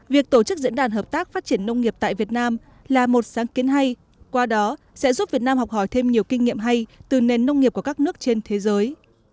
việc tổ chức diễn đàn hợp tác phát triển nông nghiệp tại việt nam là một sáng kiến hay qua đó sẽ giúp việt nam học hỏi thêm nhiều kinh nghiệm hay từ nền nông nghiệp của các nước trên thế giới